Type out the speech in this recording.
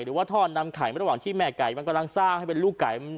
หรือว่าท่อนำไข่ระหว่างที่แม่ไก่มันกำลังสร้างให้เป็นลูกไก่